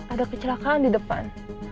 ada kecelakaan di depan